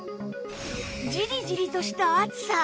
ジリジリとした暑さ